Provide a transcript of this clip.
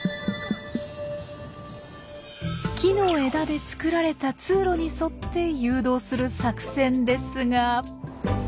木の枝で作られた通路に沿って誘導する作戦ですが。